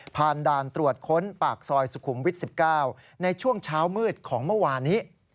ด่านตรวจค้นปากซอยสุขุมวิท๑๙ในช่วงเช้ามืดของเมื่อวานนี้